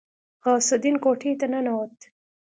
غوث الدين کوټې ته ننوت.